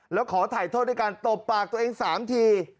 แล้วขอถ่ายโทษด้วยการตบปากตัวเอง๓ที